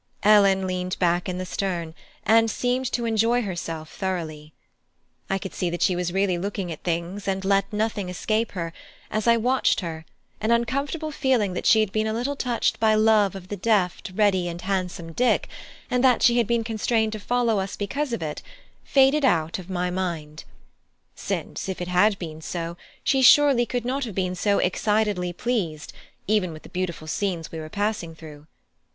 Ellen leaned back in the stern and seemed to enjoy herself thoroughly. I could see that she was really looking at things and let nothing escape her, and as I watched her, an uncomfortable feeling that she had been a little touched by love of the deft, ready, and handsome Dick, and that she had been constrained to follow us because of it, faded out of my mind; since if it had been so, she surely could not have been so excitedly pleased, even with the beautiful scenes we were passing through.